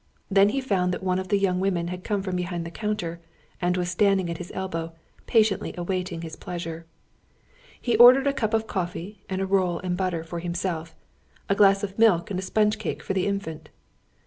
Then he found that one of the young women had come from behind the counter, and was standing at his elbow, patiently awaiting his pleasure. He ordered a cup of coffee and a roll and butter, for himself; a glass of milk and a sponge cake for the Infant.